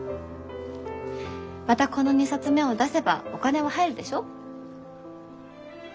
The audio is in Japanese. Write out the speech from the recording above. またこの２冊目を出せばお金は入るでしょ？